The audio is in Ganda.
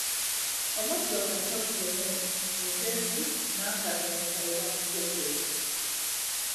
Omuddo kattabuteme, ejjanzi n'akanyonyi kayibamukuukulu.